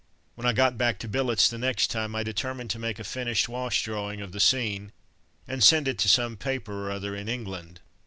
When I got back to billets the next time I determined to make a finished wash drawing of the scene, and send it to some paper or other in England.